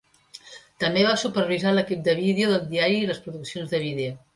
També va supervisar l'equip de vídeo del diari i les produccions de vídeo.